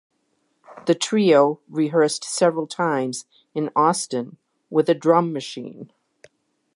The trio rehearsed several times in Austin with a drum machine.